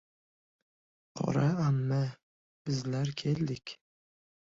Qora amma!» Bizlar keldik!